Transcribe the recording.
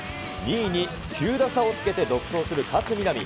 ２位に９打差をつけて独走する勝みなみ。